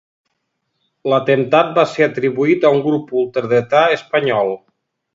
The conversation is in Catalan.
L'atemptat va ser atribuït a un grup ultradretà espanyol.